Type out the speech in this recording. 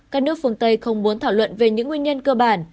các nước phương tây không muốn thảo luận về những nguyên nhân cơ bản